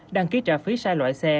đăng ký trả phí sai loại xe